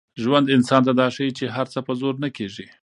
ژوند انسان ته دا ښيي چي هر څه په زور نه کېږي.